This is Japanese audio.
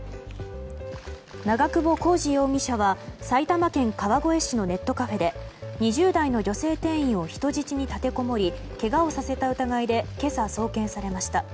長久保浩二容疑者は埼玉県川越市のネットカフェで２０代の女性店員を人質に立てこもりけがをさせた疑いで今朝、送検されました。